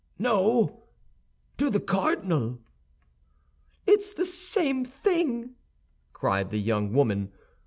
"No, to the cardinal." "It's the same thing," cried the young woman.